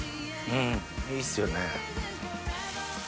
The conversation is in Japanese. うんいいっすよね。